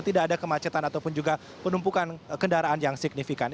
tidak ada kemacetan ataupun juga penumpukan kendaraan yang signifikan